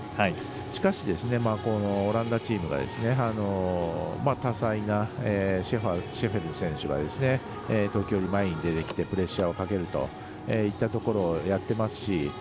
しかし、オランダチームが多彩なシェフェルス選手が時折、前に出てきてプレッシャーをかけるといったところをやっていますし。